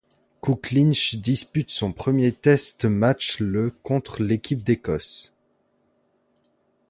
Coo Clinch dispute son premier test match le contre l’équipe d’Écosse.